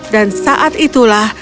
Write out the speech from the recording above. dan saat itulah